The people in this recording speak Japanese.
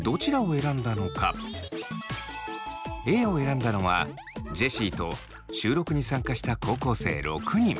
Ａを選んだのはジェシーと収録に参加した高校生６人。